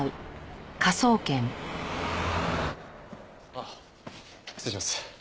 あっ失礼します。